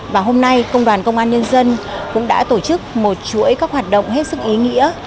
và hôm nay công đoàn công an nhân dân cũng đã tổ chức một chuỗi các hoạt động hết sức ý nghĩa